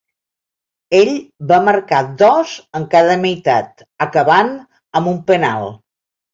Ell va marcar dos en cada meitat, acabant amb un penal.